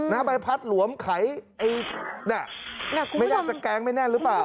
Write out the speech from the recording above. นะใบพัดหลวมขายไม่ได้สแก๊งไม่แน่นหรือเปล่า